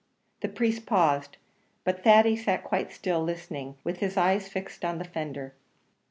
The priest paused; but Thady sat quite still, listening, with his eyes fixed on the fender.